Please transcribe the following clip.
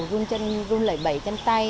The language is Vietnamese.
run lẩy bẩy chân tay